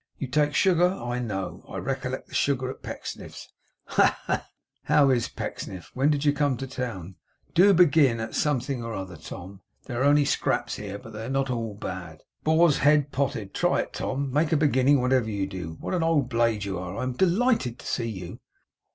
You take sugar, I know; I recollect the sugar at Pecksniff's. Ha, ha, ha! How IS Pecksniff? When did you come to town? DO begin at something or other, Tom. There are only scraps here, but they are not at all bad. Boar's Head potted. Try it, Tom. Make a beginning whatever you do. What an old Blade you are! I am delighted to see you.